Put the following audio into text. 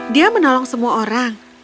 dia menolong semua orang